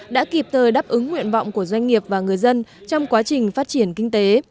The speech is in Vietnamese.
đã kịp thời đáp ứng nguyện vọng của doanh nghiệp và người dân trong quá trình phát triển kinh tế